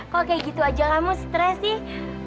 kok kayak gitu aja kamu stres sih